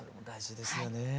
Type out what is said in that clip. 大事ですよね。